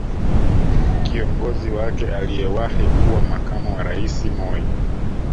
Kiongozi wake aliyewahi kuwa makamu wa rais Moi